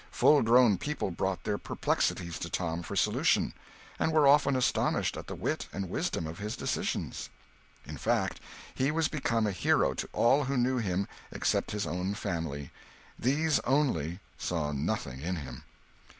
Full grown people brought their perplexities to Tom for solution, and were often astonished at the wit and wisdom of his decisions. In fact he was become a hero to all who knew him except his own family these, only, saw nothing in him.